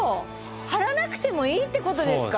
貼らなくてもいいってことですか？